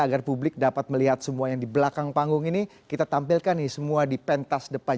agar publik dapat melihat semua yang di belakang panggung ini kita tampilkan nih semua di pentas depan